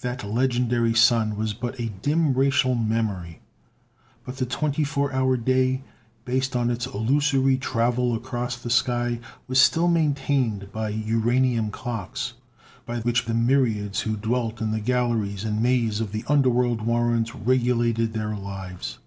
That legendary sun was but a dim racial memory, but the 24 hour day, based on its illusory travel across the sky, was still maintained by uranium clocks, by which the myriads who dwelt in the galleries and maze of the under world warrens regulated their lives.